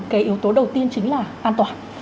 cái yếu tố đầu tiên chính là an toàn